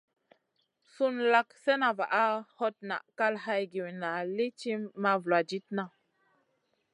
Sùn lak slèna vaʼa, hot naʼ kal hay giwinna lì ti ma vuladidna.